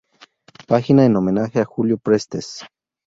Página en homenaje a Júlio Prestes